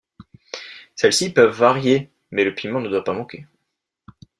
Celles-ci peuvent varier mais le piment ne doit pas manquer.